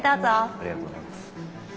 ありがとうございます。